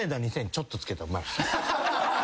ちょっと付けたらうまいっす。